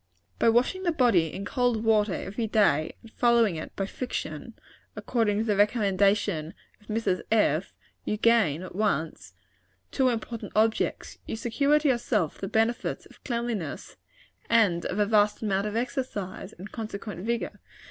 By washing the body in cold water every day, and following it by friction, according to the recommendation of Mrs. F., you gain, at once, two important objects. You secure to yourself the benefits of cleanliness, and of a vast amount of exercise, and consequent vigor.